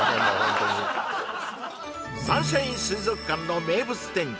サンシャイン水族館の名物展示